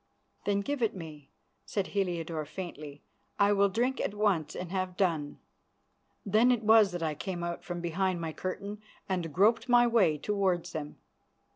"Then give it me," said Heliodore faintly. "I will drink at once and have done." Then it was that I came out from behind my curtain and groped my way towards them.